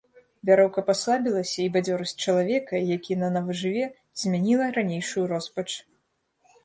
Вяроўка паслабілася, і бадзёрасць чалавека, які нанава жыве, змяніла ранейшую роспач.